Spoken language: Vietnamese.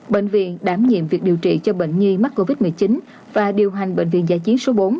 bệnh viện đảm nhiệm việc điều trị cho bệnh nhi mắc covid một mươi chín và điều hành bệnh viện giả chiến số bốn